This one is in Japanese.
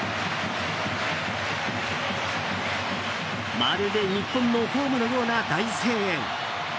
まるで日本のホームのような大声援。